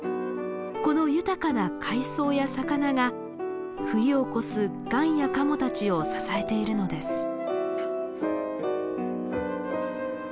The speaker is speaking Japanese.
この豊かな海藻や魚が冬を越すガンやカモたちを支えているのです。